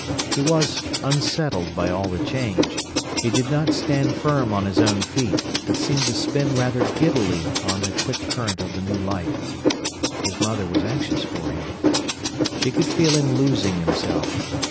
He was unsettled by all the change, he did not stand firm on his own feet, but seemed to spin rather giddily on the quick current of the new life. His mother was anxious for him. She could feel him losing himself.